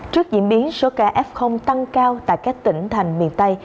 trước diễn biến số ca f tăng cao tại các tỉnh thành miền tây